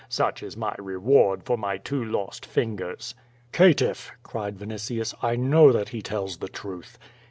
Such is my reward for my two lost fingers/' "Caitiff I'' cried Vinitius, "I know that he tells the truth.''